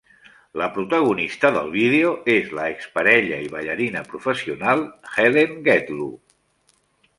La protagonista del vídeo és l'ex parella i ballarina professional Helen Gedlu.